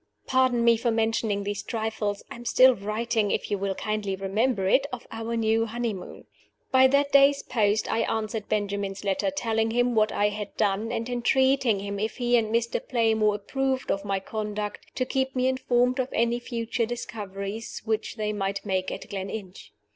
Pardon me for mentioning these trifles I am still writing (if you will kindly remember it) of our new honeymoon. By that day's post I answered Benjamin's letter, telling him what I had done, and entreating him, if he and Mr. Playmore approved of my conduct, to keep me informed of any future discoveries which they might make at Gleninch.